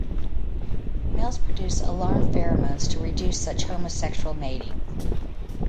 Males produce alarm pheromones to reduce such homosexual mating.